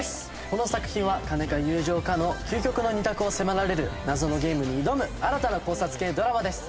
この作品は金か友情かの究極の２択を迫られる謎のゲームに挑む新たな考察系ドラマです。